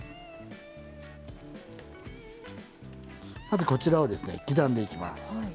まずこちらをですね刻んでいきます。